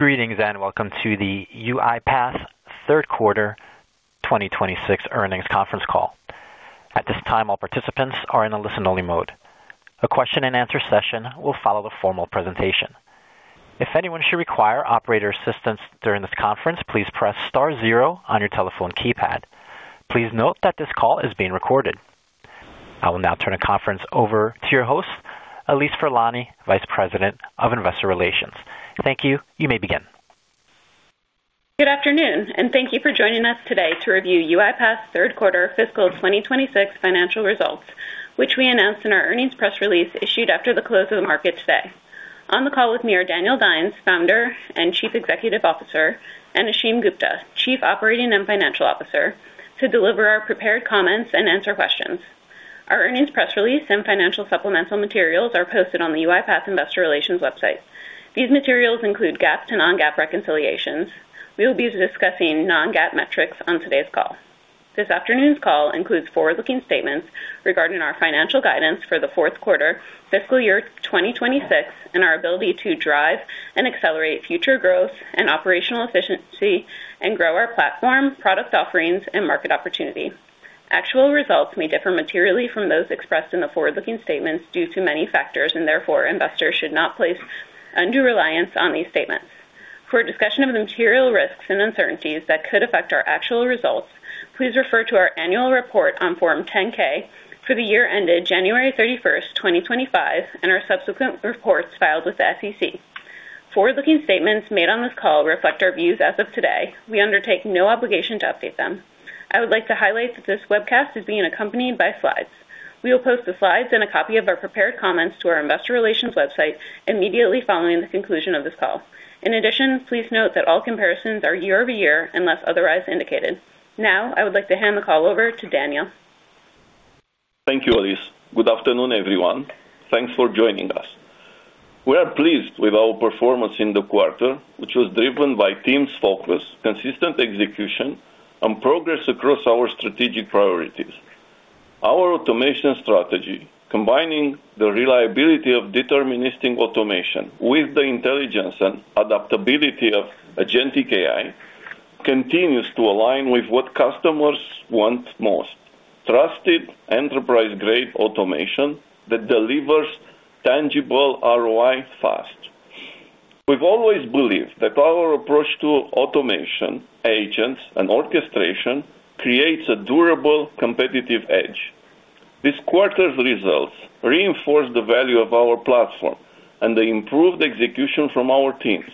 Greetings and welcome to the UiPath Third Quarter 2026 Earnings Conference call. At this time, all participants are in a listen-only mode. A question-and-answer session will follow the formal presentation. If anyone should require operator assistance during this conference, please press star zero on your telephone keypad. Please note that this call is being recorded. I will now turn the conference over to your host, Allise Furlani, Vice President of Investor Relations. Thank you. You may begin. Good afternoon, and thank you for joining us today to review UiPath third quarter fiscal 2026 financial results, which we announced in our earnings press release issued after the close of the market today. On the call with me are Daniel Dines, Founder and Chief Executive Officer, and Ashim Gupta, Chief Operating and Financial Officer, to deliver our prepared comments and answer questions. Our earnings press release and financial supplemental materials are posted on the UiPath Investor Relations website. These materials include GAAP and non-GAAP reconciliations. We will be discussing non-GAAP metrics on today's call. This afternoon's call includes forward-looking statements regarding our financial guidance for the fourth quarter, fiscal year 2026, and our ability to drive and accelerate future growth and operational efficiency, and grow our platform, product offerings, and market opportunity. Actual results may differ materially from those expressed in the forward-looking statements due to many factors, and therefore investors should not place undue reliance on these statements. For discussion of the material risks and uncertainties that could affect our actual results, please refer to our annual report on Form 10-K for the year ended January 31st, 2025, and our subsequent reports filed with the SEC. Forward-looking statements made on this call reflect our views as of today. We undertake no obligation to update them. I would like to highlight that this webcast is being accompanied by slides. We will post the slides and a copy of our prepared comments to our Investor Relations website immediately following the conclusion of this call. In addition, please note that all comparisons are year-over-year unless otherwise indicated. Now, I would like to hand the call over to Daniel. Thank you, Allise. Good afternoon, everyone. Thanks for joining us. We are pleased with our performance in the quarter, which was driven by teams' focus, consistent execution, and progress across our strategic priorities. Our automation strategy, combining the reliability of deterministic automation with the intelligence and adaptability of agentic AI, continues to align with what customers want most: trusted enterprise-grade automation that delivers tangible ROI fast. We've always believed that our approach to automation, agents, and orchestration creates a durable competitive edge. This quarter's results reinforce the value of our platform and the improved execution from our teams.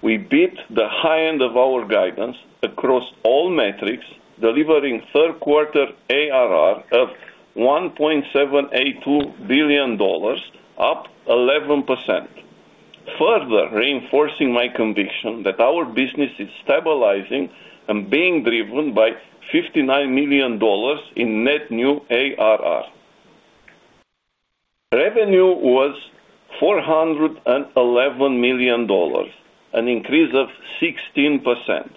We beat the high end of our guidance across all metrics, delivering third quarter ARR of $1.782 billion, up 11%, further reinforcing my conviction that our business is stabilizing and being driven by $59 million in net new ARR. Revenue was $411 million, an increase of 16%.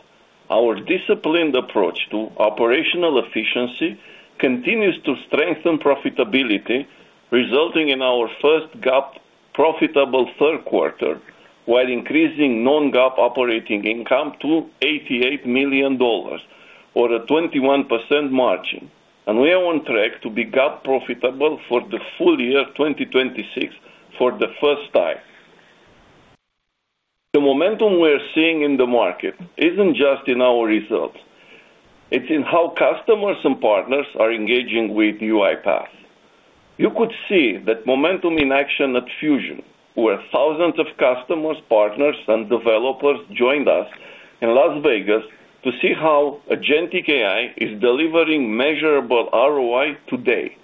Our disciplined approach to operational efficiency continues to strengthen profitability, resulting in our first GAAP profitable third quarter, while increasing non-GAAP operating income to $88 million, or a 21% margin, and we are on track to be GAAP profitable for the full year 2026 for the first time. The momentum we are seeing in the market isn't just in our results. It's in how customers and partners are engaging with UiPath. You could see that momentum in action at Fusion, where thousands of customers, partners, and developers joined us in Las Vegas to see how agentic AI is delivering measurable ROI today.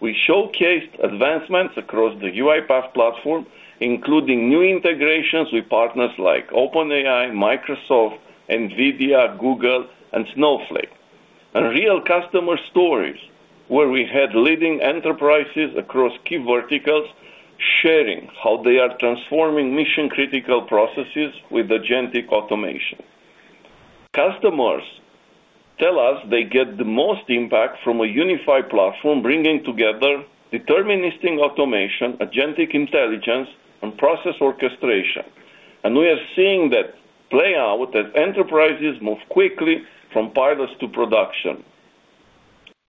We showcased advancements across the UiPath platform, including new integrations with partners like OpenAI, Microsoft, NVIDIA, Google, and Snowflake, and real customer stories where we had leading enterprises across key verticals sharing how they are transforming mission-critical processes with agentic automation. Customers tell us they get the most impact from a unified platform bringing together deterministic automation, agentic intelligence, and process orchestration. And we are seeing that play out as enterprises move quickly from pilots to production.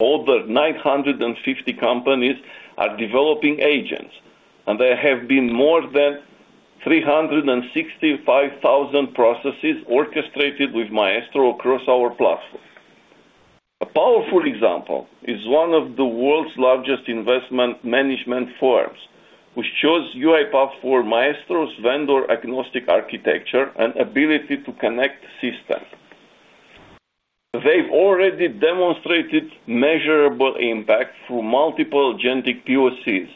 Over 950 companies are developing agents, and there have been more than 365,000 processes orchestrated with Maestro across our platform. A powerful example is one of the world's largest investment management firms, which chose UiPath for Maestro's vendor-agnostic architecture and ability to connect systems. They've already demonstrated measurable impact through multiple agentic POCs,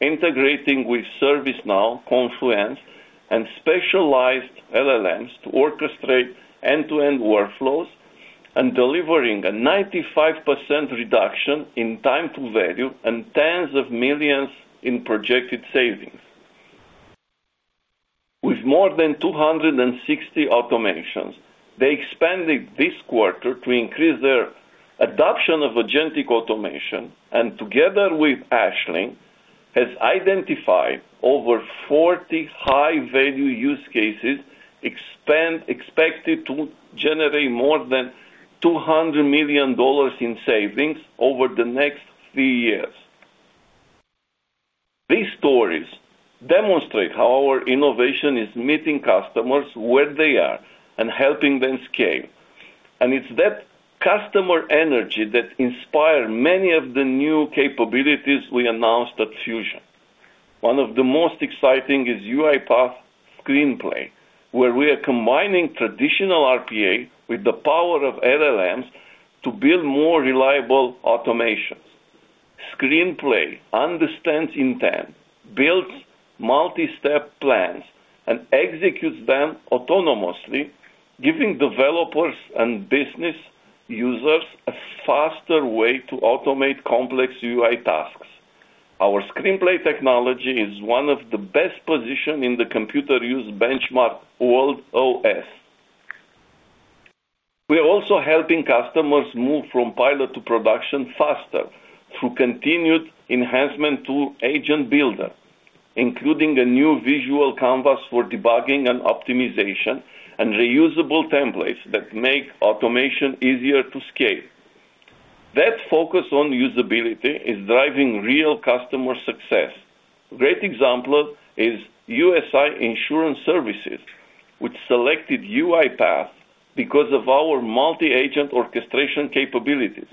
integrating with ServiceNow, Confluence, and specialized LLMs to orchestrate end-to-end workflows, and delivering a 95% reduction in time to value and tens of millions in projected savings. With more than 260 automations, they expanded this quarter to increase their adoption of agentic automation, and together with Ashling Partners, has identified over 40 high-value use cases expected to generate more than $200 million in savings over the next three years. These stories demonstrate how our innovation is meeting customers where they are and helping them scale. And it's that customer energy that inspires many of the new capabilities we announced at Fusion. One of the most exciting is UiPath Screenplay, where we are combining traditional RPA with the power of LLMs to build more reliable automations. Screenplay understands intent, builds multi-step plans, and executes them autonomously, giving developers and business users a faster way to automate complex UI tasks. Our Screenplay technology is one of the best positioned in the Computer Use Benchmark Tool OS. We are also helping customers move from pilot to production faster through continued enhancement to Agent Builder, including a new visual canvas for debugging and optimization, and reusable templates that make automation easier to scale. That focus on usability is driving real customer success. A great example is USI Insurance Services, which selected UiPath because of our multi-agent orchestration capabilities.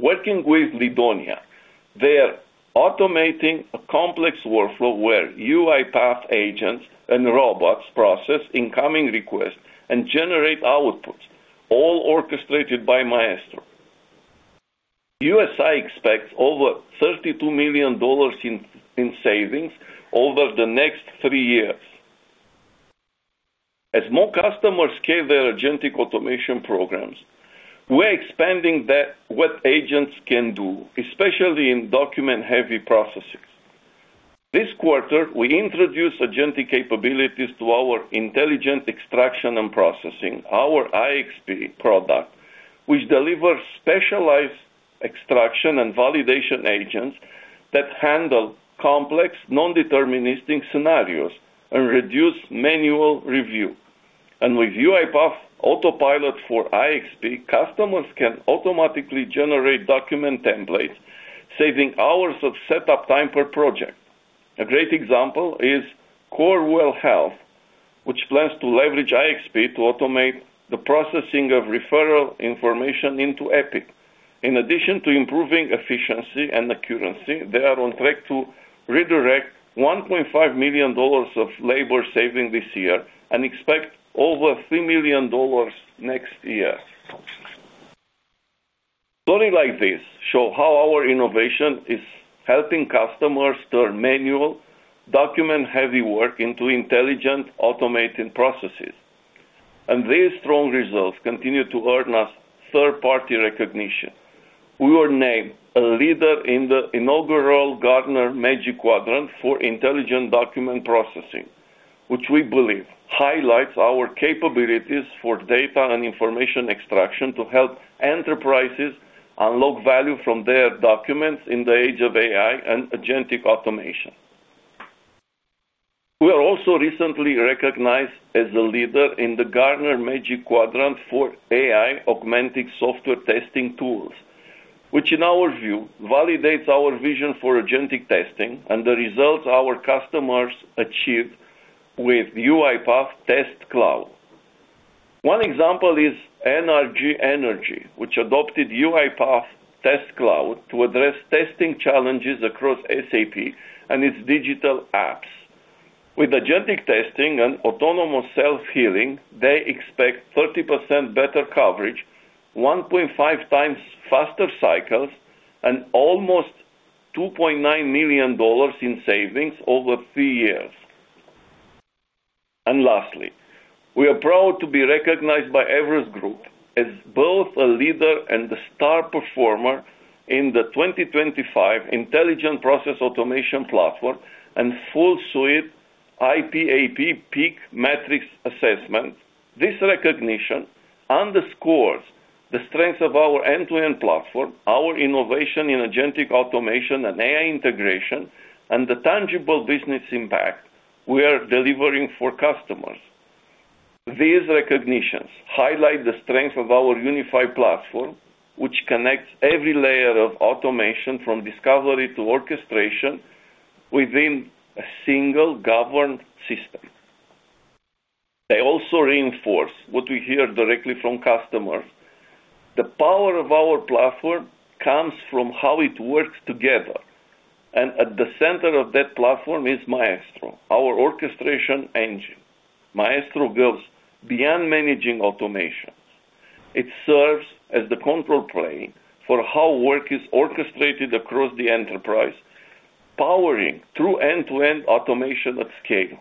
Working with Lydonia, they are automating a complex workflow where UiPath agents and robots process incoming requests and generate outputs, all orchestrated by Maestro. USI expects over $32 million in savings over the next three years. As more customers scale their agentic automation programs, we're expanding what agents can do, especially in document-heavy processes. This quarter, we introduced agentic capabilities to our intelligent extraction and processing, our IXP product, which delivers specialized extraction and validation agents that handle complex non-deterministic scenarios and reduce manual review. With UiPath Autopilot for IXP, customers can automatically generate document templates, saving hours of setup time per project. A great example is Corewell Health, which plans to leverage IXP to automate the processing of referral information into Epic. In addition to improving efficiency and accuracy, they are on track to redirect $1.5 million of labor saving this year and expect over $3 million next year. Story like this shows how our innovation is helping customers turn manual document-heavy work into intelligent automated processes. These strong results continue to earn us third-party recognition. We were named a leader in the inaugural Gartner Magic Quadrant for intelligent document processing, which we believe highlights our capabilities for data and information extraction to help enterprises unlock value from their documents in the age of AI and agentic automation. We are also recently recognized as a leader in the Gartner Magic Quadrant for AI augmenting software testing tools, which in our view validates our vision for agentic testing and the results our customers achieved with UiPath Test Cloud. One example is NRG Energy, which adopted UiPath Test Cloud to address testing challenges across SAP and its digital apps. With agentic testing and autonomous self-healing, they expect 30% better coverage, 1.5x faster cycles, and almost $2.9 million in savings over three years. And lastly, we are proud to be recognized by Everest Group as both a leader and a star performer in the 2025 Intelligent Process Automation Platform and Full Suite IPAP PEAK Matrix Assessment. This recognition underscores the strengths of our end-to-end platform, our innovation in agentic automation and AI integration, and the tangible business impact we are delivering for customers. These recognitions highlight the strength of our unified platform, which connects every layer of automation from discovery to orchestration within a single governed system. They also reinforce what we hear directly from customers. The power of our platform comes from how it works together, and at the center of that platform is Maestro, our orchestration engine. Maestro goes beyond managing automation. It serves as the control plane for how work is orchestrated across the enterprise, powering through end-to-end automation at scale.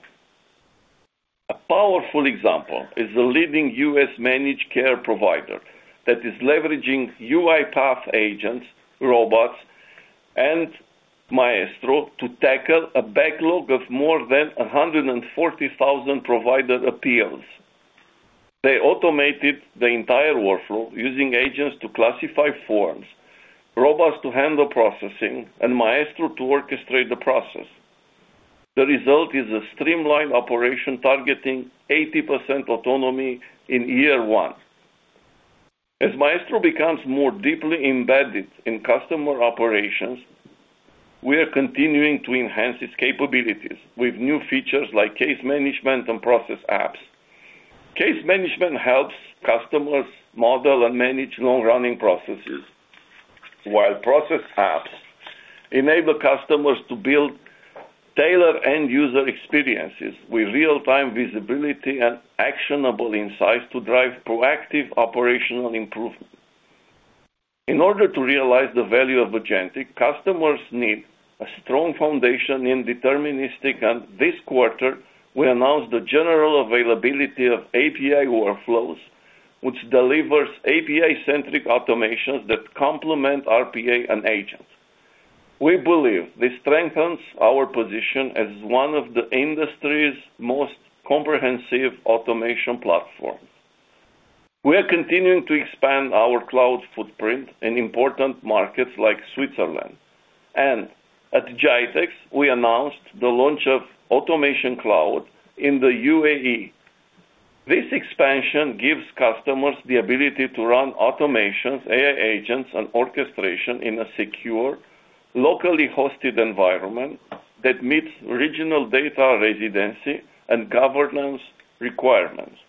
A powerful example is the leading U.S. managed care provider that is leveraging UiPath agents, robots, and Maestro to tackle a backlog of more than 140,000 provider appeals. They automated the entire workflow using agents to classify forms, robots to handle processing, and Maestro to orchestrate the process. The result is a streamlined operation targeting 80% autonomy in year one. As Maestro becomes more deeply embedded in customer operations, we are continuing to enhance its capabilities with new features like case management and process apps. Case management helps customers model and manage long-running processes, while process apps enable customers to build tailored end-user experiences with real-time visibility and actionable insights to drive proactive operational improvement. In order to realize the value of agentic, customers need a strong foundation in deterministic, and this quarter, we announced the general availability of API workflows, which delivers API-centric automations that complement RPA and agents. We believe this strengthens our position as one of the industry's most comprehensive automation platforms. We are continuing to expand our cloud footprint in important markets like Switzerland, and at GITEX, we announced the launch of Automation Cloud in the UAE. This expansion gives customers the ability to run automations, AI agents, and orchestration in a secure, locally hosted environment that meets regional data residency and governance requirements.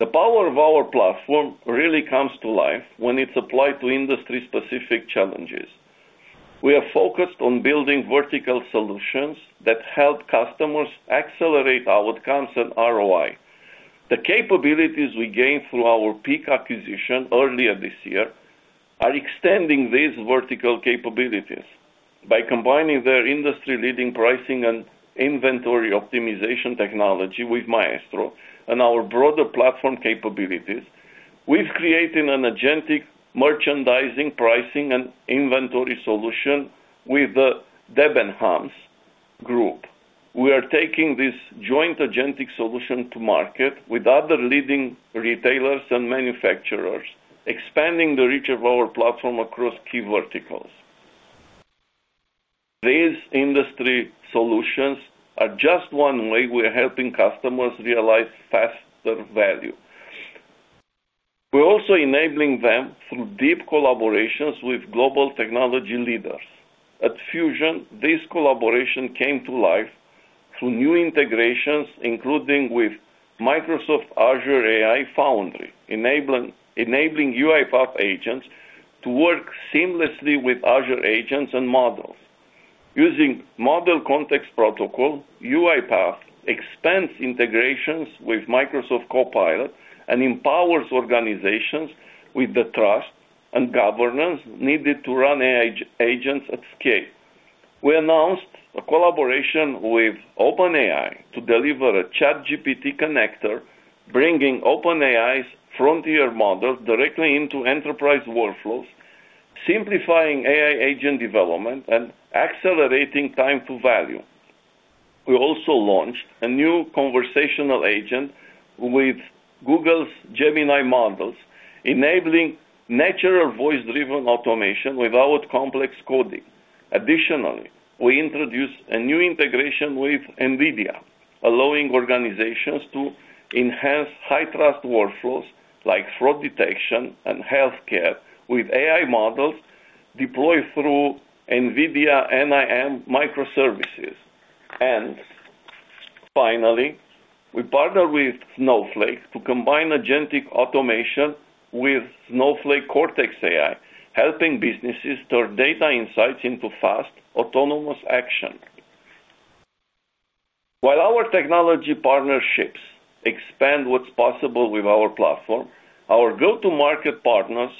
The power of our platform really comes to life when it's applied to industry-specific challenges. We are focused on building vertical solutions that help customers accelerate outcomes and ROI. The capabilities we gained through our Peak acquisition earlier this year are extending these vertical capabilities. By combining their industry-leading pricing and inventory optimization technology with Maestro and our broader platform capabilities, we've created an agentic merchandising pricing and inventory solution with the Debens Group. We are taking this joint agentic solution to market with other leading retailers and manufacturers, expanding the reach of our platform across key verticals. These industry solutions are just one way we are helping customers realize faster value. We're also enabling them through deep collaborations with global technology leaders. At Fusion, this collaboration came to life through new integrations, including with Microsoft Azure AI Foundry, enabling UiPath agents to work seamlessly with Azure agents and models. Using Model Context Protocol, UiPath expands integrations with Microsoft Copilot and empowers organizations with the trust and governance needed to run AI agents at scale. We announced a collaboration with OpenAI to deliver a ChatGPT connector, bringing OpenAI's frontier models directly into enterprise workflows, simplifying AI agent development and accelerating time to value. We also launched a new conversational agent with Google's Gemini models, enabling natural voice-driven automation without complex coding. Additionally, we introduced a new integration with NVIDIA, allowing organizations to enhance high-trust workflows like fraud detection and healthcare with AI models deployed through NVIDIA NIM microservices. And finally, we partnered with Snowflake to combine agentic automation with Snowflake Cortex AI, helping businesses turn data insights into fast, autonomous action. While our technology partnerships expand what's possible with our platform, our go-to-market partners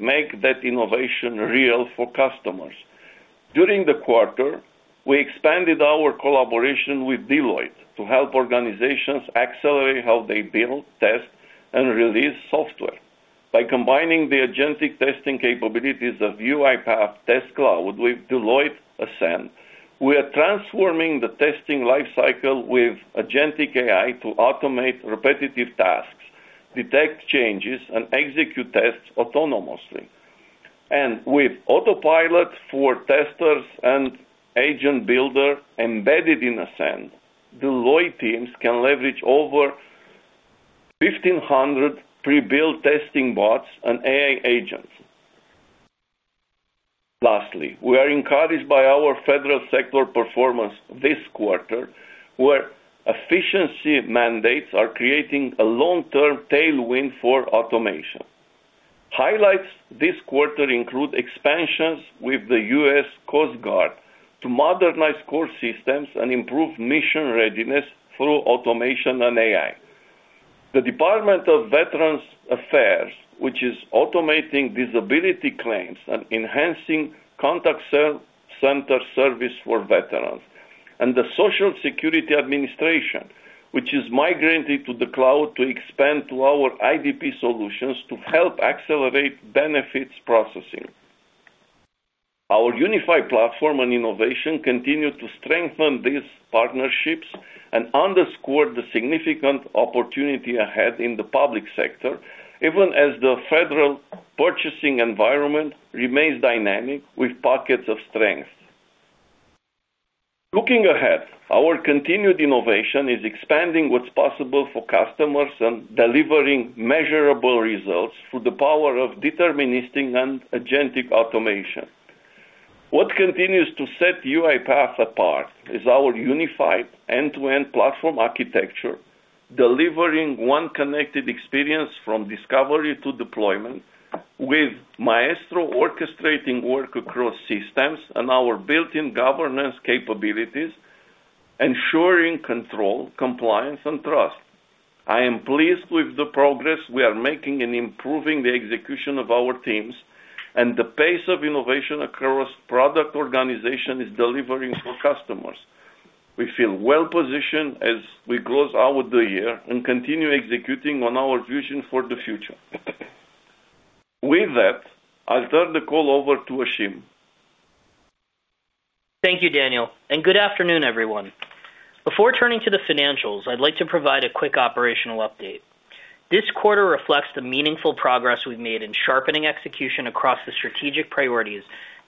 make that innovation real for customers. During the quarter, we expanded our collaboration with Deloitte to help organizations accelerate how they build, test, and release software. By combining the agentic testing capabilities of UiPath Test Cloud with Deloitte Ascend, we are transforming the testing lifecycle with agentic AI to automate repetitive tasks, detect changes, and execute tests autonomously. With Autopilot for Testers and Agent Builder embedded in Ascend, Deloitte teams can leverage over 1,500 pre-built testing bots and AI agents. Lastly, we are encouraged by our federal sector performance this quarter, where efficiency mandates are creating a long-term tailwind for automation. Highlights this quarter include expansions with the U.S. Coast Guard to modernize core systems and improve mission readiness through automation and AI. The Department of Veterans Affairs, which is automating disability claims and enhancing contact center service for veterans, and the Social Security Administration, which is migrating to the cloud to expand to our IDP solutions to help accelerate benefits processing. Our unified platform and innovation continue to strengthen these partnerships and underscore the significant opportunity ahead in the public sector, even as the federal purchasing environment remains dynamic with pockets of strength. Looking ahead, our continued innovation is expanding what's possible for customers and delivering measurable results through the power of deterministic and agentic automation. What continues to set UiPath apart is our unified end-to-end platform architecture, delivering one connected experience from discovery to deployment, with Maestro orchestrating work across systems and our built-in governance capabilities, ensuring control, compliance, and trust. I am pleased with the progress we are making in improving the execution of our teams, and the pace of innovation across product organizations is delivering for customers. We feel well-positioned as we close out the year and continue executing on our vision for the future. With that, I'll turn the call over to Ashim. Thank you, Daniel. Good afternoon, everyone. Before turning to the financials, I'd like to provide a quick operational update. This quarter reflects the meaningful progress we've made in sharpening execution across the strategic priorities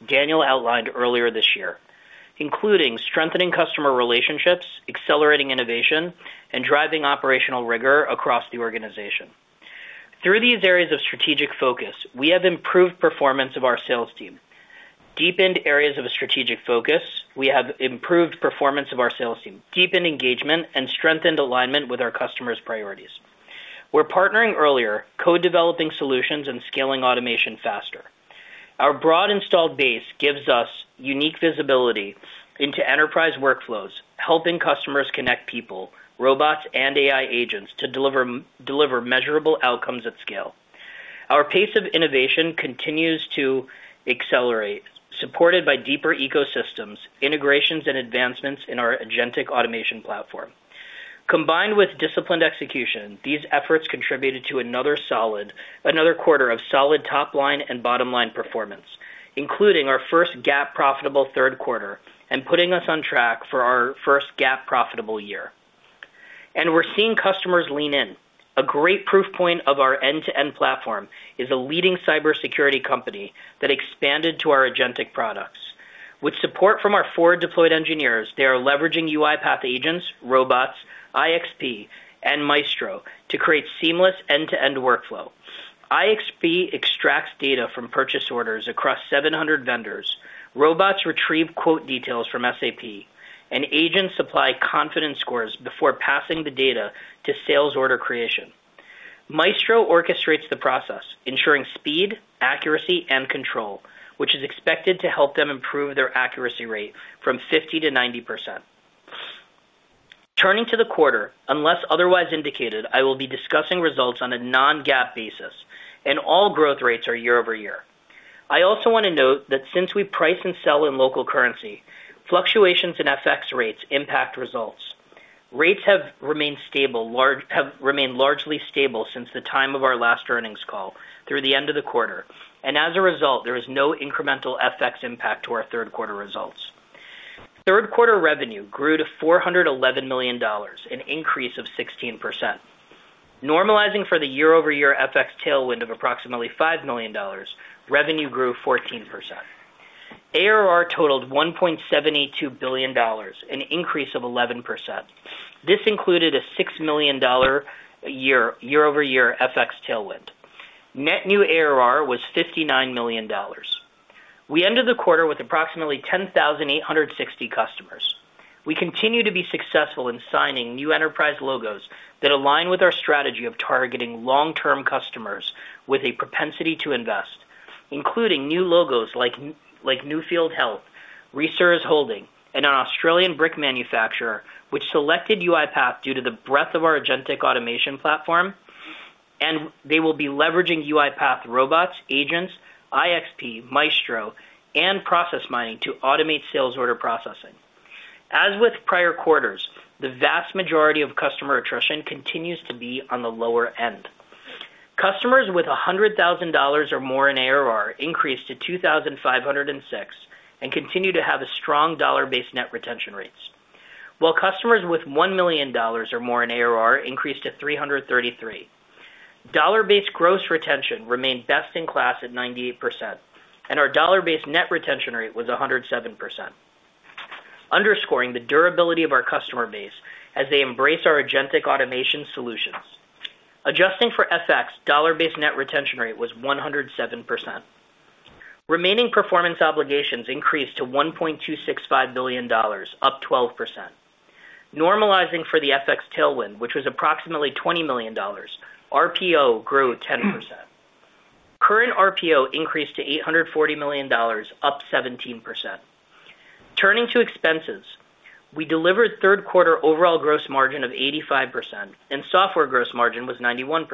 Daniel outlined earlier this year, including strengthening customer relationships, accelerating innovation, and driving operational rigor across the organization. Through these areas of strategic focus, we have improved performance of our sales team, deepened engagement, and strengthened alignment with our customers' priorities. We're partnering earlier, co-developing solutions, and scaling automation faster. Our broad installed base gives us unique visibility into enterprise workflows, helping customers connect people, robots, and AI agents to deliver measurable outcomes at scale. Our pace of innovation continues to accelerate, supported by deeper ecosystems, integrations, and advancements in our agentic automation platform. Combined with disciplined execution, these efforts contributed to another quarter of solid top-line and bottom-line performance, including our first GAAP profitable third quarter and putting us on track for our first GAAP profitable year. And we're seeing customers lean in. A great proof point of our end-to-end platform is a leading cybersecurity company that expanded to our agentic products. With support from our forward-deployed engineers, they are leveraging UiPath agents, robots, IXP, and Maestro to create seamless end-to-end workflow. IXP extracts data from purchase orders across 700 vendors. Robots retrieve quote details from SAP, and agents supply confidence scores before passing the data to sales order creation. Maestro orchestrates the process, ensuring speed, accuracy, and control, which is expected to help them improve their accuracy rate from 50% - 90%. Turning to the quarter, unless otherwise indicated, I will be discussing results on a Non-GAAP basis, and all growth rates are year-over-year. I also want to note that since we price and sell in local currency, fluctuations in FX rates impact results. Rates have remained stable, have remained largely stable since the time of our last earnings call through the end of the quarter. And as a result, there is no incremental FX impact to our third-quarter results. Third-quarter revenue grew to $411 million, an increase of 16%. Normalizing for the year-over-year FX tailwind of approximately $5 million, revenue grew 14%. ARR totaled $1.72 billion, an increase of 11%. This included a $6 million year-over-year FX tailwind. Net new ARR was $59 million. We ended the quarter with approximately 10,860 customers. We continue to be successful in signing new enterprise logos that align with our strategy of targeting long-term customers with a propensity to invest, including new logos like Nuffield Health, Reser's Fine Foods, and an Australian brick manufacturer, which selected UiPath due to the breadth of our agentic automation platform, and they will be leveraging UiPath robots, agents, IXP, Maestro, and process mining to automate sales order processing. As with prior quarters, the vast majority of customer attrition continues to be on the lower end. Customers with $100,000 or more in ARR increased to 2,506 and continue to have strong dollar-based net retention rates, while customers with $1 million or more in ARR increased to 333. Dollar-based gross retention remained best in class at 98%, and our dollar-based net retention rate was 107%, underscoring the durability of our customer base as they embrace our agentic automation solutions. Adjusting for FX, dollar-based net retention rate was 107%. Remaining performance obligations increased to $1.265 billion, up 12%. Normalizing for the FX tailwind, which was approximately $20 million, RPO grew 10%. Current RPO increased to $840 million, up 17%. Turning to expenses, we delivered third-quarter overall gross margin of 85%, and software gross margin was 91%.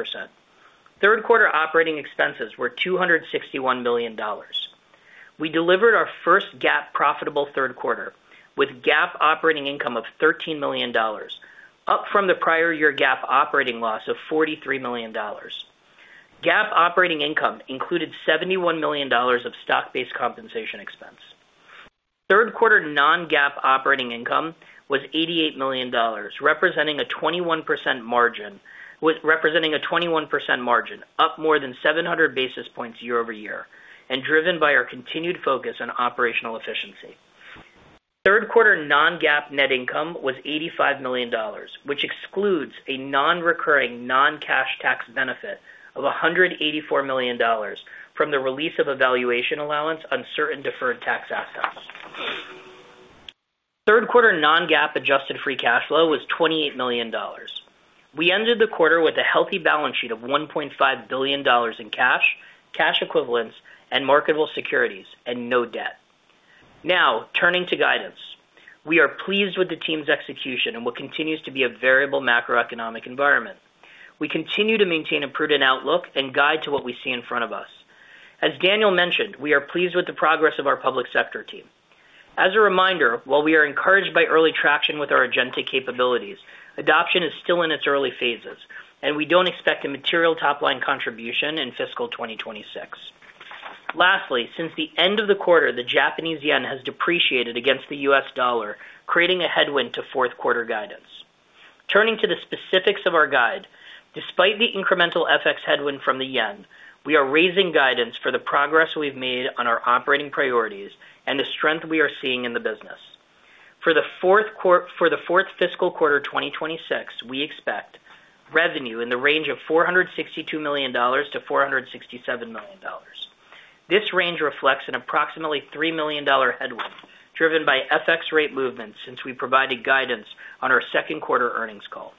Third-quarter operating expenses were $261 million. We delivered our first GAAP profitable third quarter with GAAP operating income of $13 million, up from the prior year GAAP operating loss of $43 million. GAAP operating income included $71 million of stock-based compensation expense. Third-quarter non-GAAP operating income was $88 million, representing a 21% margin, up more than 700 basis points year-over-year and driven by our continued focus on operational efficiency. Third-quarter non-GAAP net income was $85 million, which excludes a non-recurring non-cash tax benefit of $184 million from the release of a valuation allowance on certain deferred tax assets. Third-quarter non-GAAP adjusted free cash flow was $28 million. We ended the quarter with a healthy balance sheet of $1.5 billion in cash, cash equivalents, and marketable securities, and no debt. Now, turning to guidance, we are pleased with the team's execution and what continues to be a variable macroeconomic environment. We continue to maintain a prudent outlook and guide to what we see in front of us. As Daniel mentioned, we are pleased with the progress of our public sector team. As a reminder, while we are encouraged by early traction with our agentic capabilities, adoption is still in its early phases, and we don't expect a material top-line contribution in fiscal 2026. Lastly, since the end of the quarter, the Japanese yen has depreciated against the U.S. dollar, creating a headwind to fourth-quarter guidance. Turning to the specifics of our guide, despite the incremental FX headwind from the yen, we are raising guidance for the progress we've made on our operating priorities and the strength we are seeing in the business. For the fourth fiscal quarter 2026, we expect revenue in the range of $462 million-$467 million. This range reflects an approximately $3 million headwind driven by FX rate movements since we provided guidance on our second quarter earnings call.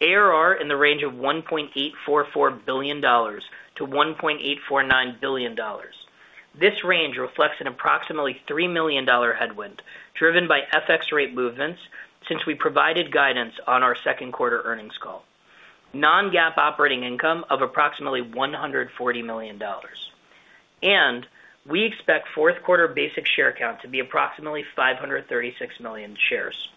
ARR in the range of $1.844 billion-$1.849 billion. This range reflects an approximately $3 million headwind driven by FX rate movements since we provided guidance on our second quarter earnings call. Non-GAAP operating income of approximately $140 million. And we expect fourth quarter basic share count to be approximately 536 million shares.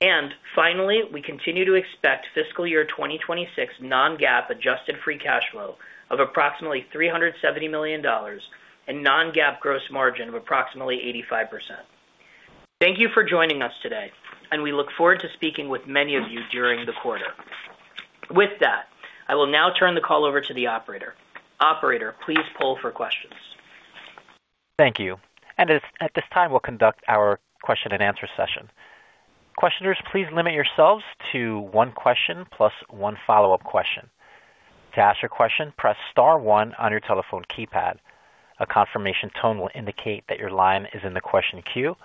And finally, we continue to expect fiscal year 2026 non-GAAP adjusted free cash flow of approximately $370 million and non-GAAP gross margin of approximately 85%. Thank you for joining us today, and we look forward to speaking with many of you during the quarter. With that, I will now turn the call over to the operator. Operator, please poll for questions. Thank you. And at this time, we'll conduct our question and answer session. Questioners, please limit yourselves to one question plus one follow-up question. To ask your question, press star one on your telephone keypad. A confirmation tone will indicate that your line is in the question queue.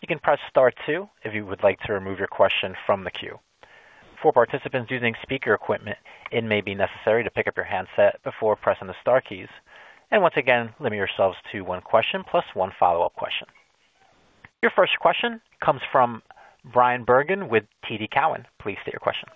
You can press star two if you would like to remove your question from the queue. For participants using speaker equipment, it may be necessary to pick up your handset before pressing the star keys. And once again, limit yourselves to one question plus one follow-up question. Your first question comes from Bryan Bergin with TD Cowen. Please state your question.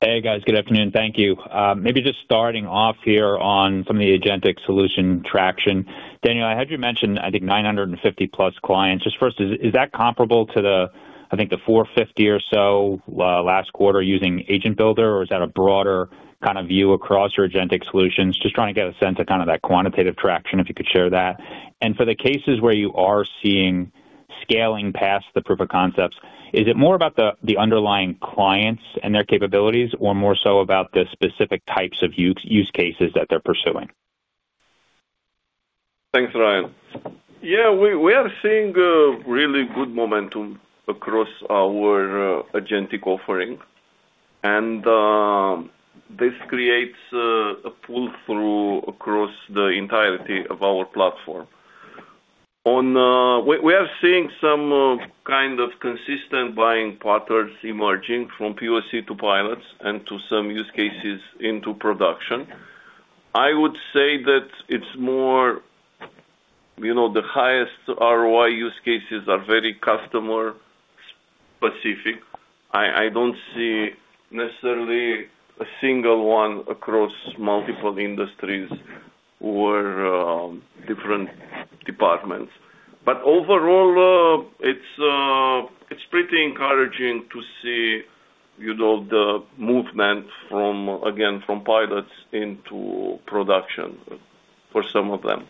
Hey, guys. Good afternoon. Thank you. Maybe just starting off here on some of the agentic solution traction. Daniel, I heard you mention, I think, 950+ clients. Just first, is that comparable to the, I think, the 450 or so last quarter using Agent Builder, or is that a broader kind of view across your agentic solutions? Just trying to get a sense of kind of that quantitative traction, if you could share that. For the cases where you are seeing scaling past the proof of concepts, is it more about the underlying clients and their capabilities, or more so about the specific types of use cases that they're pursuing? Thanks, Ryan. Yeah, we are seeing really good momentum across our agentic offering, and this creates a pull-through across the entirety of our platform. We are seeing some kind of consistent buying patterns emerging from POC to pilots and to some use cases into production. I would say that it's more the highest ROI use cases are very customer-specific. I don't see necessarily a single one across multiple industries or different departments. Overall, it's pretty encouraging to see the movement, again, from pilots into production for some of them.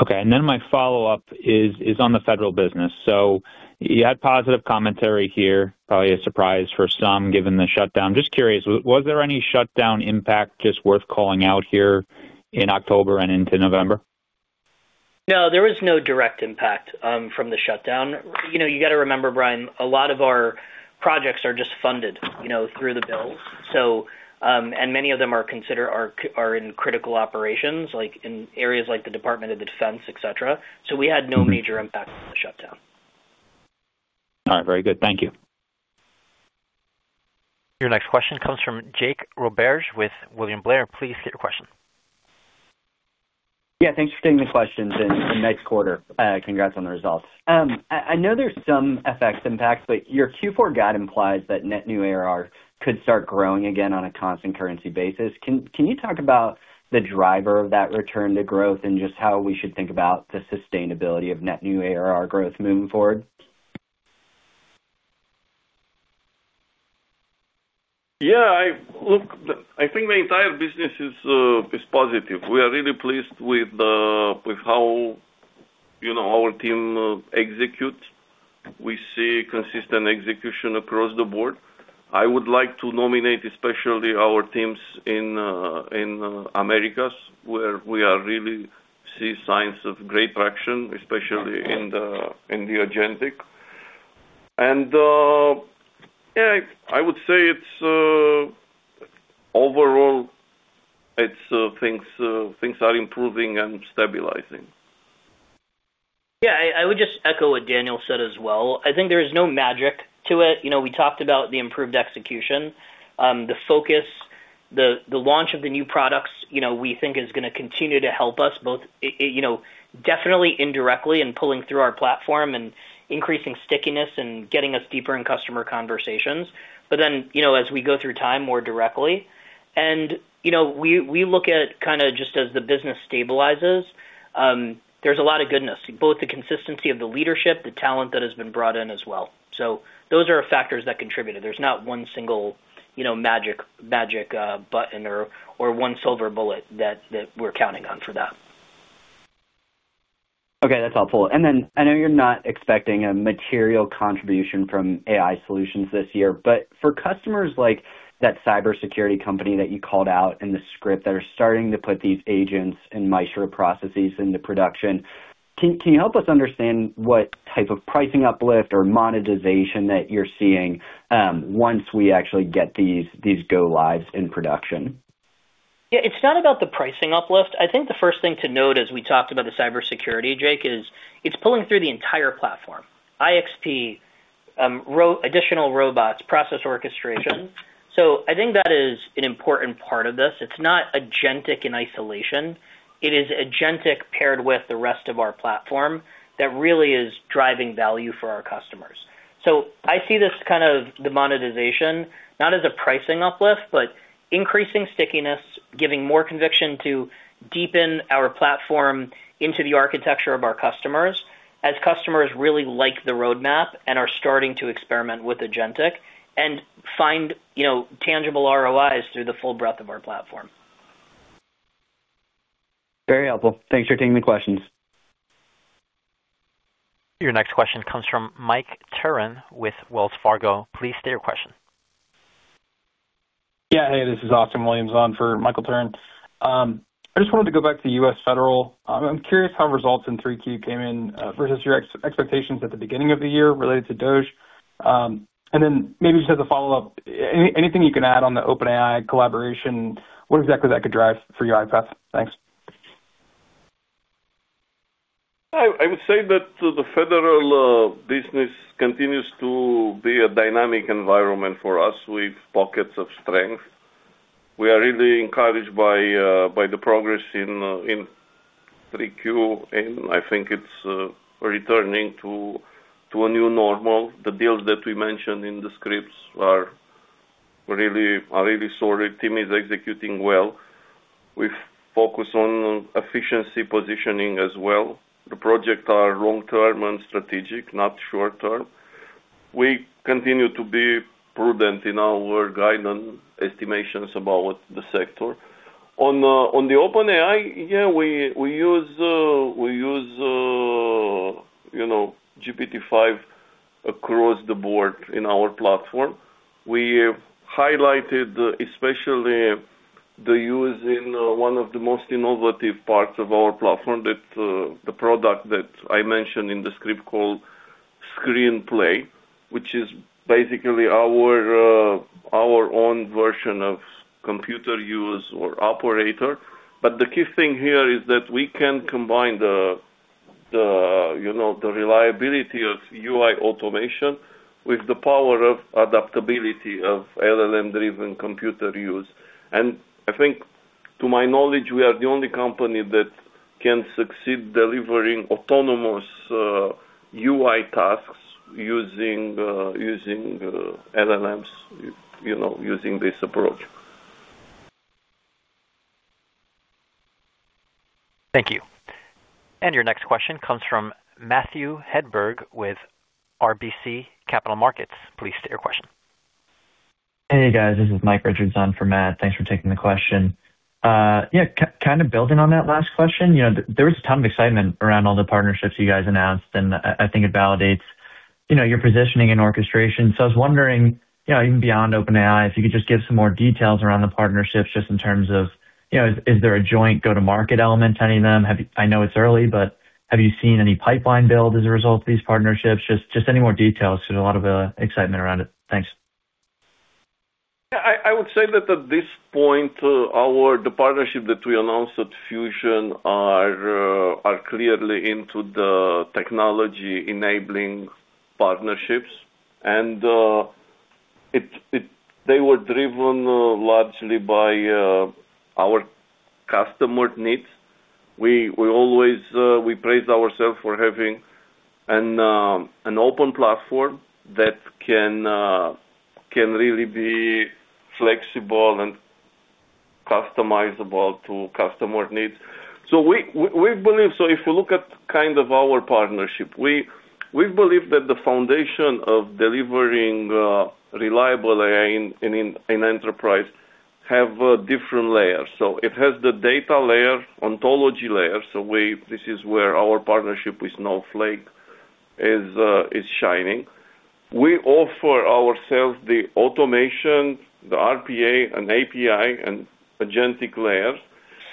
Okay. My follow-up is on the federal business. So you had positive commentary here, probably a surprise for some given the shutdown. Just curious, was there any shutdown impact just worth calling out here in October and into November? No, there was no direct impact from the shutdown. You got to remember, Bryan, a lot of our projects are just funded through the bills. And many of them are considered in critical operations, like in areas like the Department of Defense, et cetera. So we had no major impact from the shutdown. All right. Very good. Thank you. Your next question comes from Jake Roberge with William Blair. Please state your question. Yeah. Thanks for taking the questions. And next quarter, congrats on the results. I know there's some FX impact, but your Q4 guide implies that net new ARR could start growing again on a constant currency basis. Can you talk about the driver of that return to growth and just how we should think about the sustainability of net new ARR growth moving forward? Yeah. I think the entire business is positive. We are really pleased with how our team executes. We see consistent execution across the board. I would like to nominate especially our teams in Americas, where we really see signs of great traction, especially in the agentic, and yeah, I would say overall, things are improving and stabilizing. Yeah. I would just echo what Daniel said as well. I think there is no magic to it. We talked about the improved execution, the focus, the launch of the new products we think is going to continue to help us both definitely indirectly in pulling through our platform and increasing stickiness and getting us deeper in customer conversations, but then as we go through time more directly, and we look at kind of just as the business stabilizes, there's a lot of goodness, both the consistency of the leadership, the talent that has been brought in as well, so those are factors that contributed. There's not one single magic button or one silver bullet that we're counting on for that. Okay. That's helpful. And then I know you're not expecting a material contribution from AI solutions this year, but for customers like that cybersecurity company that you called out in the script that are starting to put these agents and Maestro processes into production, can you help us understand what type of pricing uplift or monetization that you're seeing once we actually get these go lives in production? Yeah. It's not about the pricing uplift. I think the first thing to note as we talked about the cybersecurity, Jake, is it's pulling through the entire platform. IXP, additional robots, process orchestration. So I think that is an important part of this. It's not agentic in isolation. It is agentic paired with the rest of our platform that really is driving value for our customers. So I see this kind of the monetization, not as a pricing uplift, but increasing stickiness, giving more conviction to deepen our platform into the architecture of our customers as customers really like the roadmap and are starting to experiment with agentic and find tangible ROIs through the full breadth of our platform. Very helpful. Thanks for taking the questions. Your next question comes from Mike Turrin with Wells Fargo. Please state your question. Yeah. Hey, this is Austin Williams on for Mike Turrin. I just wanted to go back to the U.S. federal. I'm curious how results in 3Q came in versus your expectations at the beginning of the year related to Doge. And then maybe just as a follow-up, anything you can add on the OpenAI collaboration, what exactly that could drive for your UiPath? Thanks. I would say that the federal business continues to be a dynamic environment for us with pockets of strength. We are really encouraged by the progress in 3Q, and I think it's returning to a new normal. The deals that we mentioned in the scripts are really solid. Team is executing well. We focus on efficiency positioning as well. The projects are long-term and strategic, not short-term. We continue to be prudent in our guidance estimations about the sector. On the OpenAI, yeah, we use GPT-5 across the board in our platform. We highlighted especially the use in one of the most innovative parts of our platform, the product that I mentioned in the script called Screenplay, which is basically our own version of computer use or operator. But the key thing here is that we can combine the reliability of UI automation with the power of adaptability of LLM-driven computer use. And I think, to my knowledge, we are the only company that can succeed delivering autonomous UI tasks using LLMs, using this approach. Thank you. And your next question comes from Matthew Hedberg with RBC Capital Markets. Please state your question. Hey, guys. This is Mike Richards on for Matt. Thanks for taking the question. Yeah, kind of building on that last question. There was a ton of excitement around all the partnerships you guys announced, and I think it validates your positioning and orchestration. So I was wondering, even beyond OpenAI, if you could just give some more details around the partnerships just in terms of, is there a joint go-to-market element to any of them? I know it's early, but have you seen any pipeline build as a result of these partnerships? Just any more details because there's a lot of excitement around it. Thanks. Yeah. I would say that at this point, the partnerships that we announced at Fusion are clearly in the technology-enabling partnerships. And they were driven largely by our customer needs. We pride ourselves for having an open platform that can really be flexible and customizable to customer needs. So we believe, so if we look at kind of our partnership, we believe that the foundation of delivering reliable AI in enterprise has different layers. So it has the data layer, ontology layer. So this is where our partnership with Snowflake is shining. We offer ourselves as the automation, the RPA, and API, and agentic layers.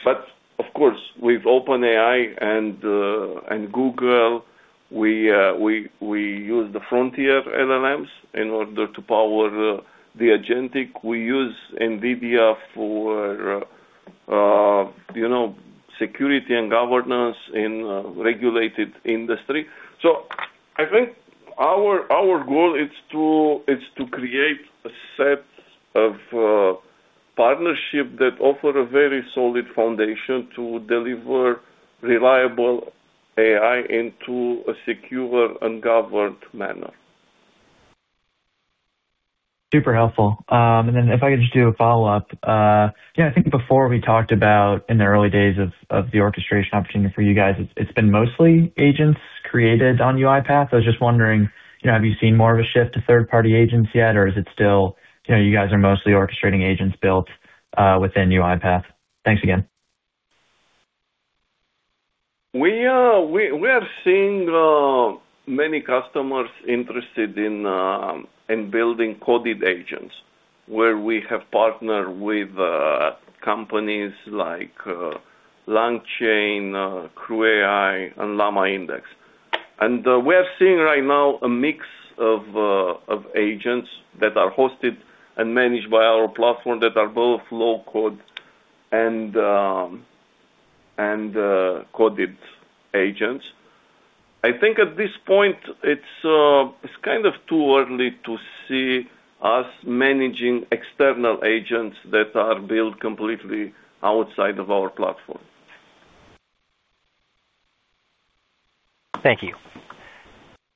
But of course, with OpenAI and Google, we use the frontier LLMs in order to power the agentic. We use NVIDIA for security and governance in regulated industry. So I think our goal is to create a set of partnerships that offer a very solid foundation to deliver reliable AI into a secure and governed manner. Super helpful. And then if I could just do a follow-up, yeah, I think before we talked about in the early days of the orchestration opportunity for you guys, it's been mostly agents created on UiPath. I was just wondering, have you seen more of a shift to third-party agents yet, or is it still you guys are mostly orchestrating agents built within UiPath? Thanks again. We have seen many customers interested in building coded agents where we have partnered with companies like LangChain, CrewAI, and LlamaIndex. We are seeing right now a mix of agents that are hosted and managed by our platform that are both low-code and coded agents. I think at this point, it's kind of too early to see us managing external agents that are built completely outside of our platform. Thank you.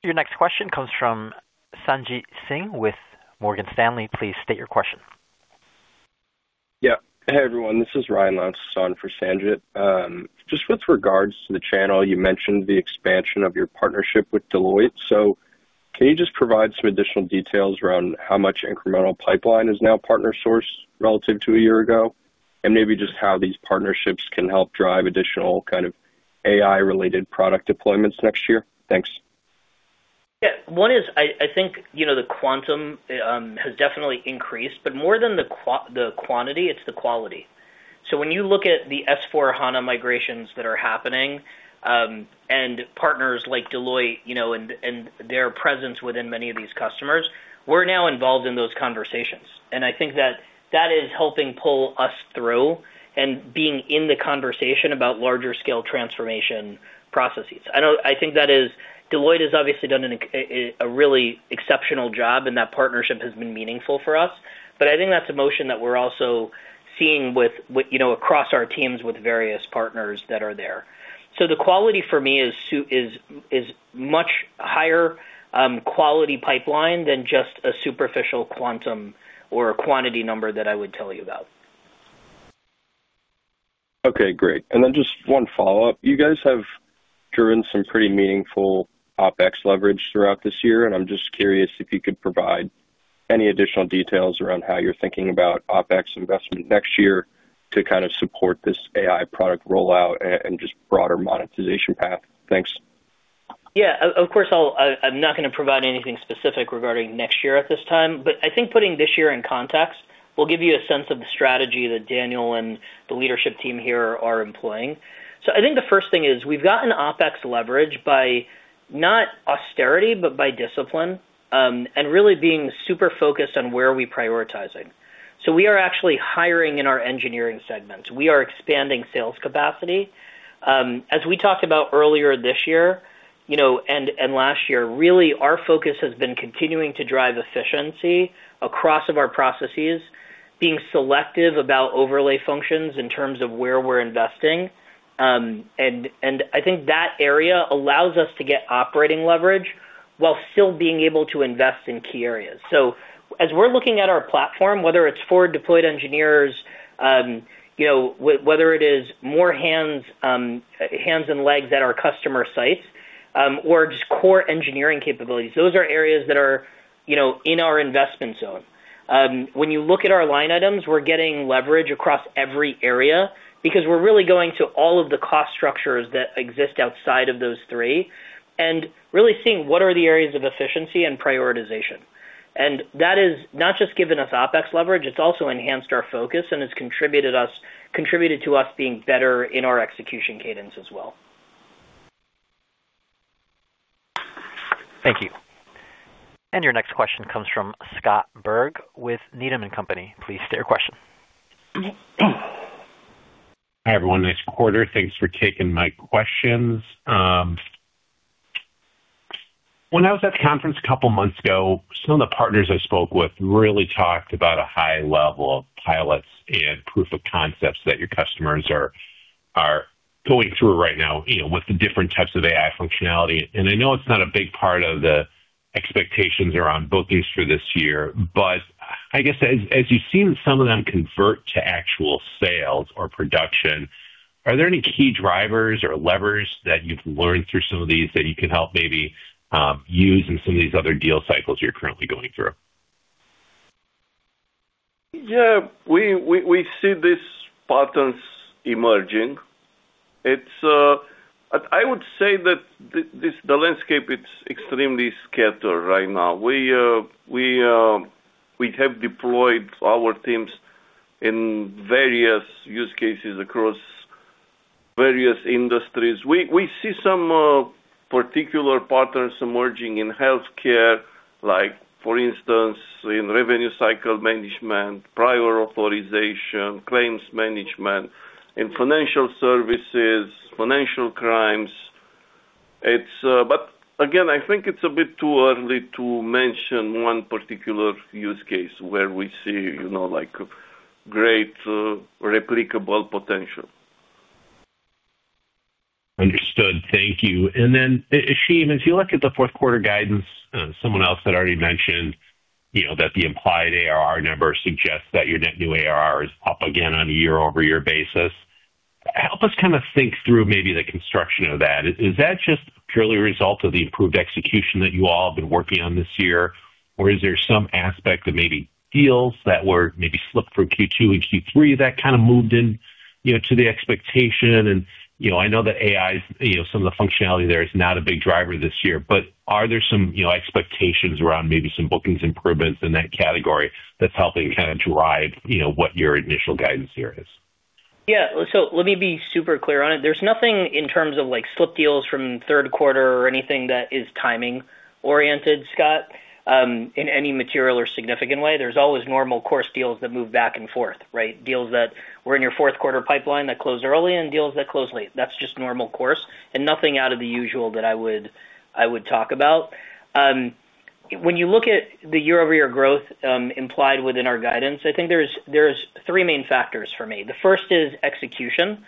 Your next question comes from Sanjit Singh with Morgan Stanley. Please state your question. Yeah. Hey, everyone. This is Ryan on for Sanjit. Just with regards to the channel, you mentioned the expansion of your partnership with Deloitte. So can you just provide some additional details around how much incremental pipeline is now partner-sourced relative to a year ago? And maybe just how these partnerships can help drive additional kind of AI-related product deployments next year? Thanks. Yeah. One is I think the quantum has definitely increased, but more than the quantity, it's the quality. So when you look at the S/4HANA migrations that are happening and partners like Deloitte and their presence within many of these customers, we're now involved in those conversations. And I think that that is helping pull us through and being in the conversation about larger-scale transformation processes. I think that Deloitte has obviously done a really exceptional job, and that partnership has been meaningful for us. But I think that's a motion that we're also seeing across our teams with various partners that are there. So the quality for me is much higher quality pipeline than just a superficial quantum or a quantity number that I would tell you about. Okay. Great. And then just one follow-up. You guys have driven some pretty meaningful OpEx leverage throughout this year, and I'm just curious if you could provide any additional details around how you're thinking about OpEx investment next year to kind of support this AI product rollout and just broader monetization path. Thanks. Yeah. Of course, I'm not going to provide anything specific regarding next year at this time, but I think putting this year in context will give you a sense of the strategy that Daniel and the leadership team here are employing. So I think the first thing is we've gotten OpEx leverage by not austerity, but by discipline and really being super focused on where we're prioritizing. So we are actually hiring in our engineering segments. We are expanding sales capacity. As we talked about earlier this year and last year, really our focus has been continuing to drive efficiency across all of our processes, being selective about overlay functions in terms of where we're investing, and I think that area allows us to get operating leverage while still being able to invest in key areas, so as we're looking at our platform, whether it's for deployed engineers, whether it is more hands and legs at our customer sites, or just core engineering capabilities, those are areas that are in our investment zone. When you look at our line items, we're getting leverage across every area because we're really going to all of the cost structures that exist outside of those three and really seeing what are the areas of efficiency and prioritization. That has not just given us OpEx leverage; it's also enhanced our focus and has contributed to us being better in our execution cadence as well. Thank you. Your next question comes from Scott Berg with Needham & Company. Please state your question. Hi, everyone. It's Porter. Thanks for taking my questions. When I was at the conference a couple of months ago, some of the partners I spoke with really talked about a high level of pilots and proof of concepts that your customers are going through right now with the different types of AI functionality. I know it's not a big part of the expectations around bookings for this year, but I guess as you've seen some of them convert to actual sales or production, are there any key drivers or levers that you've learned through some of these that you can help maybe use in some of these other deal cycles you're currently going through? Yeah. We see these patterns emerging. I would say that the landscape is extremely scattered right now. We have deployed our teams in various use cases across various industries. We see some particular patterns emerging in healthcare, like for instance, in revenue cycle management, prior authorization, claims management, in financial services, financial crimes. But again, I think it's a bit too early to mention one particular use case where we see great replicable potential. Understood. Thank you. And then Ashim, as you look at the fourth quarter guidance, someone else had already mentioned that the implied ARR number suggests that your net new ARR is up again on a year-over-year basis. Help us kind of think through maybe the construction of that. Is that just purely a result of the improved execution that you all have been working on this year, or is there some aspect of maybe deals that were maybe slipped from Q2 and Q3 that kind of moved into the expectation? And I know that AI, some of the functionality there is not a big driver this year, but are there some expectations around maybe some bookings improvements in that category that's helping kind of drive what your initial guidance here is? Yeah. So let me be super clear on it. There's nothing in terms of slip deals from third quarter or anything that is timing-oriented, Scott, in any material or significant way. There's always normal course deals that move back and forth, right? Deals that were in your fourth quarter pipeline that closed early and deals that closed late. That's just normal course, and nothing out of the usual that I would talk about. When you look at the year-over-year growth implied within our guidance, I think there's three main factors for me. The first is execution.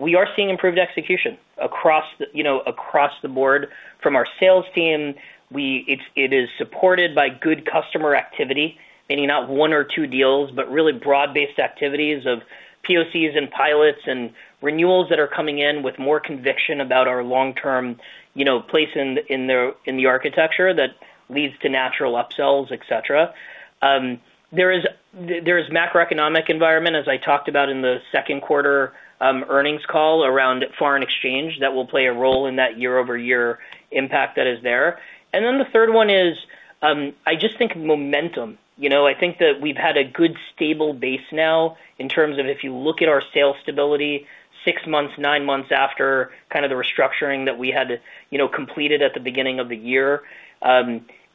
We are seeing improved execution across the board from our sales team. It is supported by good customer activity, meaning not one or two deals, but really broad-based activities of POCs and pilots and renewals that are coming in with more conviction about our long-term place in the architecture that leads to natural upsells, et cetera. There is a macroeconomic environment, as I talked about in the second quarter earnings call around foreign exchange that will play a role in that year-over-year impact that is there, and then the third one is I just think momentum. I think that we've had a good stable base now in terms of if you look at our sales stability six months, nine months after kind of the restructuring that we had completed at the beginning of the year,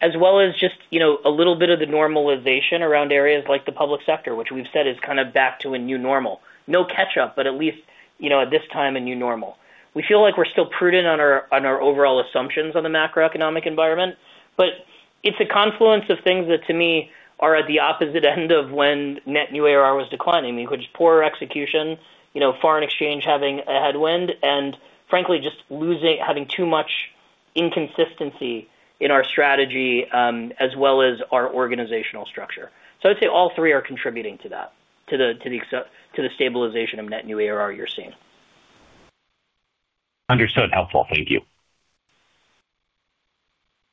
as well as just a little bit of the normalization around areas like the public sector, which we've said is kind of back to a new normal. No catch-up, but at least at this time, a new normal. We feel like we're still prudent on our overall assumptions on the macroeconomic environment, but it's a confluence of things that to me are at the opposite end of when net new ARR was declining, which is poor execution, foreign exchange having a headwind, and frankly, just having too much inconsistency in our strategy as well as our organizational structure. So I would say all three are contributing to that, to the stabilization of net new ARR you're seeing. Understood. Helpful. Thank you.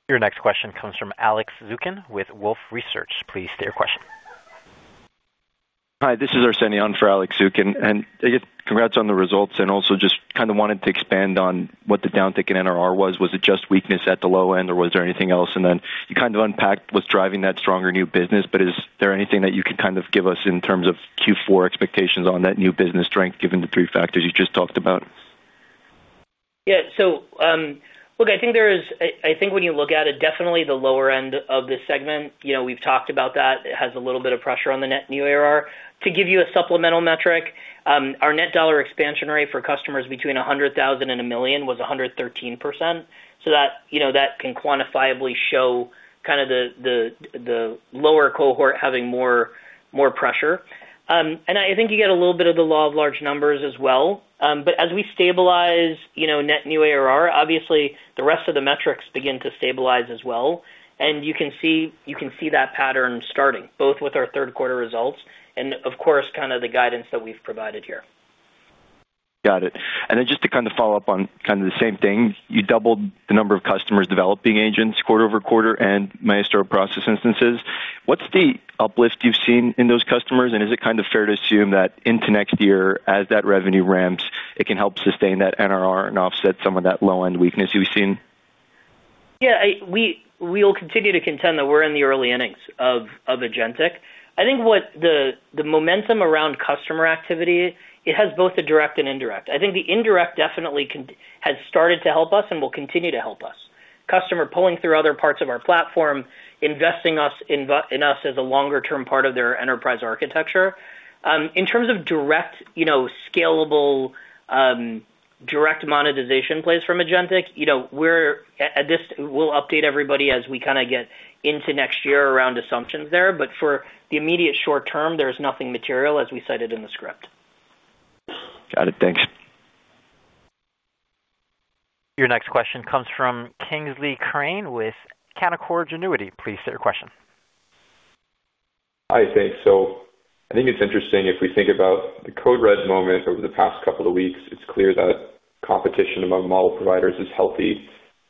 Your next question comes from Alex Zukin with Wolfe Research. Please state your question. Hi. This is Arsenije Matovic for Alex Zukin. And congrats on the results. And also just kind of wanted to expand on what the downtick in NRR was. Was it just weakness at the low end, or was there anything else? And then you kind of unpacked what's driving that stronger new business, but is there anything that you can kind of give us in terms of Q4 expectations on that new business strength given the three factors you just talked about? Yeah. So look, I think there is. I think when you look at it, definitely the lower end of the segment, we've talked about that. It has a little bit of pressure on the net new ARR. To give you a supplemental metric, our net dollar expansion rate for customers between 100,000 and a million was 113%. So that can quantifiably show kind of the lower cohort having more pressure. And I think you get a little bit of the law of large numbers as well. But as we stabilize net new ARR, obviously, the rest of the metrics begin to stabilize as well. And you can see that pattern starting both with our third quarter results and, of course, kind of the guidance that we've provided here. Got it. And then just to kind of follow up on kind of the same thing, you doubled the number of customers developing agents quarter over quarter and Maestro process instances. What's the uplift you've seen in those customers? And is it kind of fair to assume that into next year, as that revenue ramps, it can help sustain that NRR and offset some of that low-end weakness you've seen? Yeah. We'll continue to contend that we're in the early innings of Agentic. I think the momentum around customer activity; it has both a direct and indirect. I think the indirect definitely has started to help us and will continue to help us. Customer pulling through other parts of our platform, investing in us as a longer-term part of their enterprise architecture. In terms of direct, scalable monetization plays from Agentic, we'll update everybody as we kind of get into next year around assumptions there. But for the immediate short term, there's nothing material as we cited in the script. Got it. Thanks. Your next question comes from Kingsley Crane with Canaccord Genuity. Please state your question. Hi, thanks. So I think it's interesting if we think about the Code Red moment over the past couple of weeks. It's clear that competition among model providers is healthy.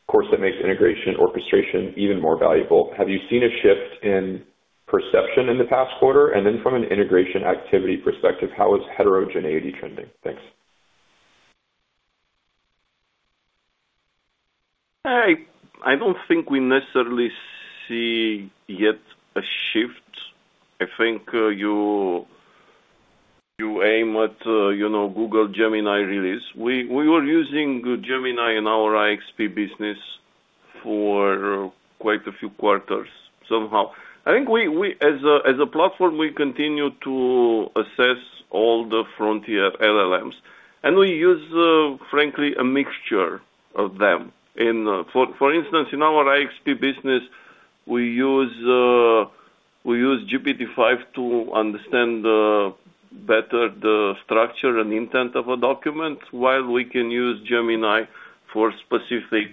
Of course, that makes integration orchestration even more valuable. Have you seen a shift in perception in the past quarter? And then from an integration activity perspective, how is heterogeneity trending? Thanks. I don't think we necessarily see yet a shift. I think you aim at Google Gemini release. We were using Gemini in our IXP business for quite a few quarters somehow. I think as a platform, we continue to assess all the frontier LLMs. And we use, frankly, a mixture of them. For instance, in our IXP business, we use GPT-5 to understand better the structure and intent of a document, while we can use Gemini for specific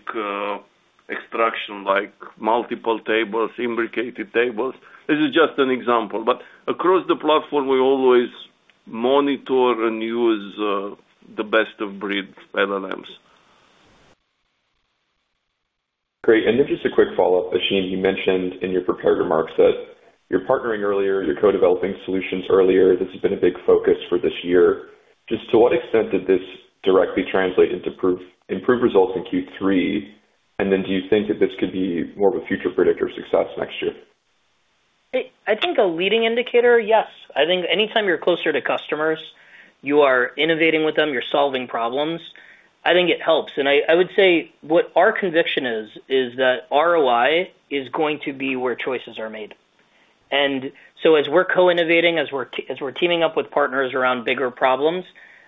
extraction like multiple tables, imbricated tables. This is just an example, but across the platform, we always monitor and use the best of breed LLMs. Great, and then just a quick follow-up. Ashim, you mentioned in your prepared remarks that you're partnering earlier, you're co-developing solutions earlier. This has been a big focus for this year. Just to what extent did this directly translate into improved results in Q3? And then do you think that this could be more of a future predictor of success next year? I think a leading indicator, yes. I think anytime you're closer to customers, you are innovating with them, you're solving problems. I think it helps. And I would say what our conviction is, is that ROI is going to be where choices are made. And so as we're co-innovating, as we're teaming up with partners around bigger problems,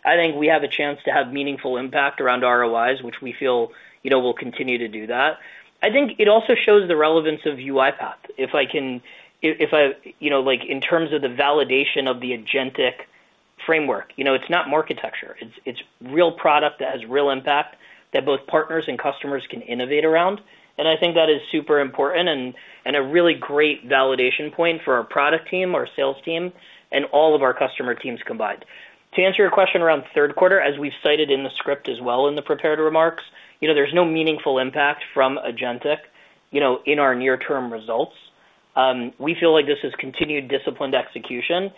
I think we have a chance to have meaningful impact around ROIs, which we feel will continue to do that. I think it also shows the relevance of UiPath. If I can, if I in terms of the validation of the Agentic framework, it's not market texture. It's real product that has real impact that both partners and customers can innovate around. And I think that is super important and a really great validation point for our product team, our sales team, and all of our customer teams combined. To answer your question around third quarter, as we've cited in the script as well in the prepared remarks, there's no meaningful impact from Agentic in our near-term results. We feel like this is continued disciplined execution.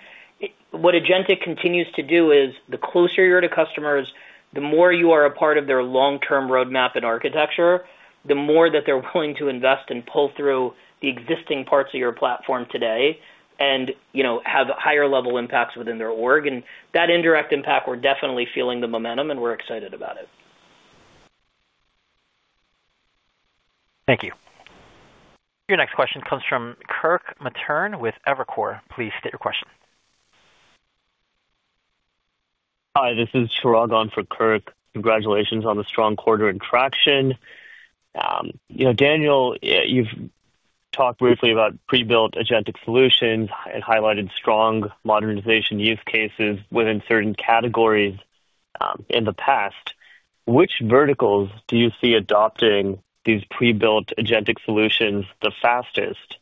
What Agentic continues to do is the closer you're to customers, the more you are a part of their long-term roadmap and architecture, the more that they're willing to invest and pull through the existing parts of your platform today and have higher-level impacts within their org. And that indirect impact, we're definitely feeling the momentum and we're excited about it. Thank you. Your next question comes from Kirk Materne with Evercore. Please state your question. Hi. This is Chirag Ved for Kirk. Congratulations on the strong quarter and traction. Daniel, you've talked briefly about pre-built Agentic solutions and highlighted strong modernization use cases within certain categories in the past. Which verticals do you see adopting these pre-built Agentic solutions the fastest?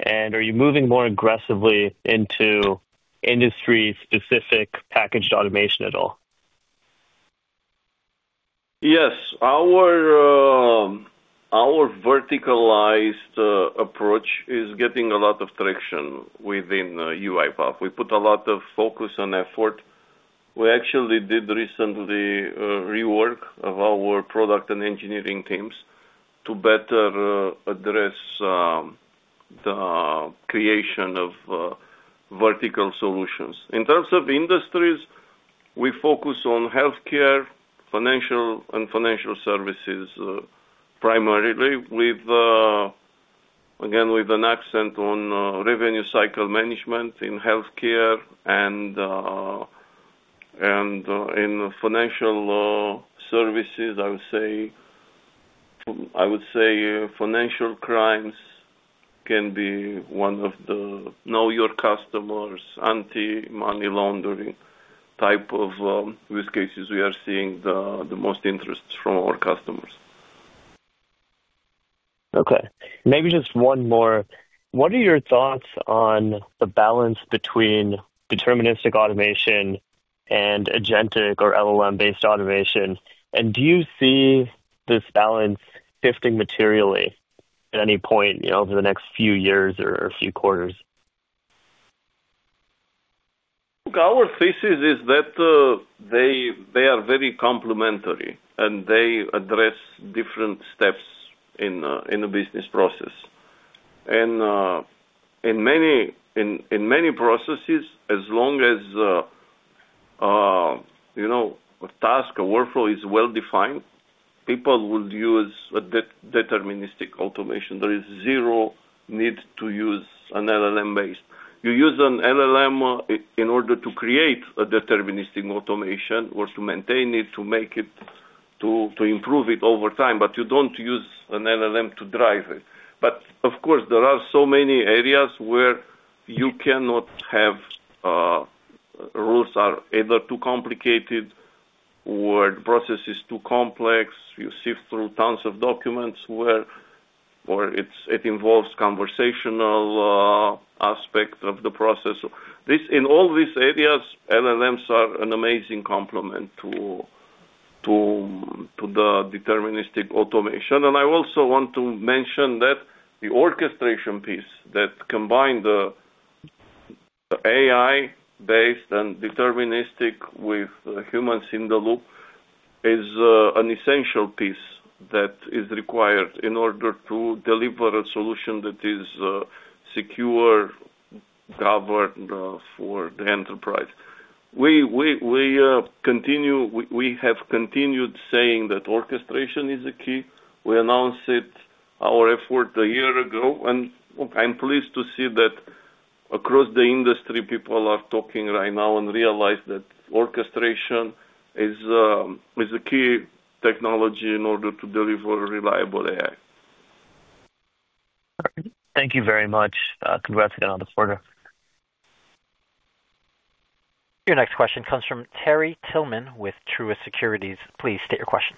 And are you moving more aggressively into industry-specific packaged automation at all? Yes. Our verticalized approach is getting a lot of traction within UiPath. We put a lot of focus and effort. We actually did recently rework of our product and engineering teams to better address the creation of vertical solutions. In terms of industries, we focus on healthcare, financial, and financial services primarily, again, with an accent on revenue cycle management in healthcare and in financial services. I would say financial crimes can be one of the know-your-customers, anti-money laundering type of use cases we are seeing the most interest from our customers. Okay. Maybe just one more. What are your thoughts on the balance between deterministic automation and Agentic or LLM-based automation? And do you see this balance shifting materially at any point over the next few years or a few quarters? Look, our thesis is that they are very complementary and they address different steps in a business process. And in many processes, as long as a task or workflow is well-defined, people will use deterministic automation. There is zero need to use an LLM-based. You use an LLM in order to create a deterministic automation or to maintain it, to make it, to improve it over time, but you don't use an LLM to drive it. But of course, there are so many areas where you cannot have rules that are either too complicated or the process is too complex. You sift through tons of documents where it involves conversational aspects of the process. In all these areas, LLMs are an amazing complement to the deterministic automation. And I also want to mention that the orchestration piece that combines the AI-based and deterministic with humans in the loop is an essential piece that is required in order to deliver a solution that is secure, governed for the enterprise. We have continued saying that orchestration is the key. We announced our effort a year ago. And I'm pleased to see that across the industry, people are talking right now and realize that orchestration is a key technology in order to deliver reliable AI. Thank you very much. Congrats again on the quarter. Your next question comes from Terry Tillman with Truist Securities. Please state your question.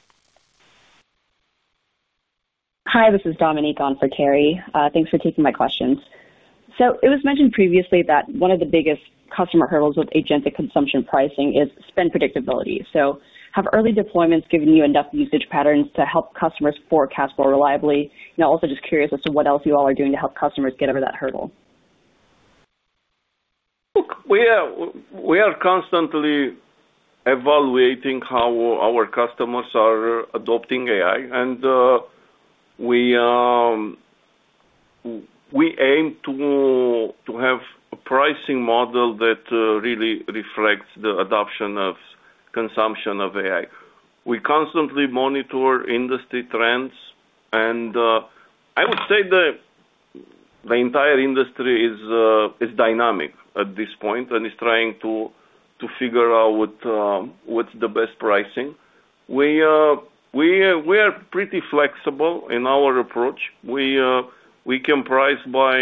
Hi. This is Dominique on for Terry. Thanks for taking my questions. It was mentioned previously that one of the biggest customer hurdles with Agentic consumption pricing is spend predictability. Have early deployments given you enough usage patterns to help customers forecast more reliably? And also just curious as to what else you all are doing to help customers get over that hurdle. Look, we are constantly evaluating how our customers are adopting AI. We aim to have a pricing model that really reflects the adoption of consumption of AI. We constantly monitor industry trends. I would say the entire industry is dynamic at this point and is trying to figure out what's the best pricing. We are pretty flexible in our approach. We can price by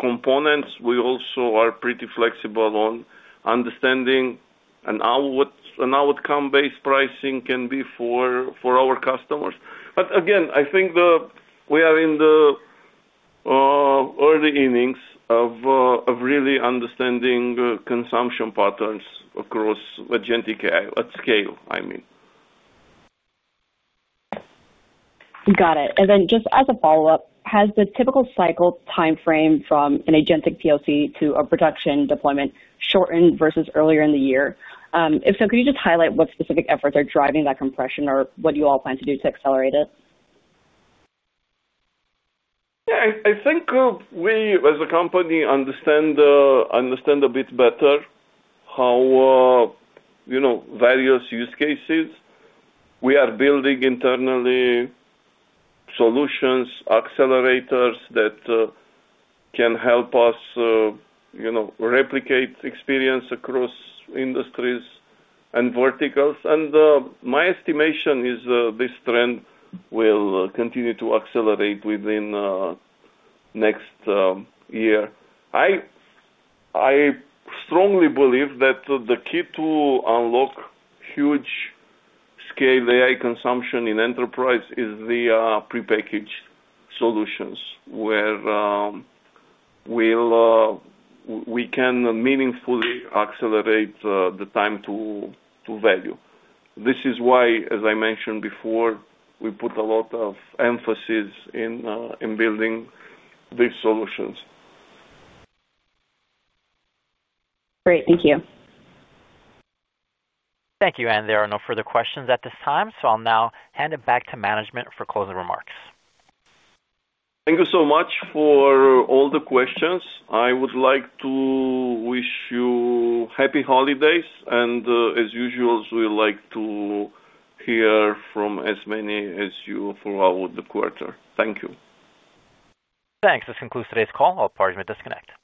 components. We also are pretty flexible on understanding how outcome-based pricing can be for our customers. But again, I think we are in the early innings of really understanding consumption patterns across Agentic AI at scale, I mean. Got it. And then just as a follow-up, has the typical cycle timeframe from an Agentic POC to a production deployment shortened versus earlier in the year? If so, could you just highlight what specific efforts are driving that compression or what you all plan to do to accelerate it? Yeah. I think we, as a company, understand a bit better how various use cases we are building internally, solutions, accelerators that can help us replicate experience across industries and verticals. And my estimation is this trend will continue to accelerate within the next year. I strongly believe that the key to unlock huge scale AI consumption in enterprise is the prepackaged solutions where we can meaningfully accelerate the time to value. This is why, as I mentioned before, we put a lot of emphasis in building these solutions. Great. Thank you. Thank you. And there are no further questions at this time. So I'll now hand it back to management for closing remarks. Thank you so much for all the questions. I would like to wish you happy holidays. And as usual, we'd like to hear from as many as you throughout the quarter. Thank you. Thanks. This concludes today's call. I'll pardon my disconnect.